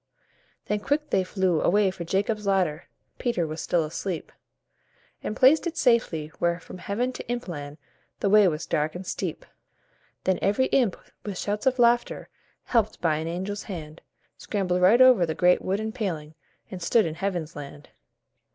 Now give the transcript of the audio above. Then quick they flew away for Jacob's ladder, (Peter was still asleep), And placed it safely, where from Heaven to Imp land The way was dark and steep. Then every little imp, with shouts and laughter, Helped by an angel's hand, Scrambled right over the great wooden paling, And stood in Heaven's land.